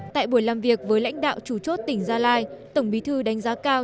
tại buổi làm việc với lãnh đạo chủ chốt tỉnh gia lai tổng bí thư đánh giá cao